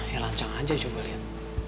ya lancang aja coba lihat